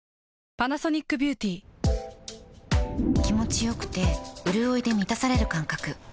気持ちよくてうるおいで満たされる感覚